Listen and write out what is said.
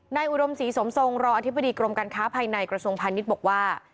อุดมศรีสมทรงรองอธิบดีกรมการค้าภายในกระทรวงพาณิชย์บอกว่า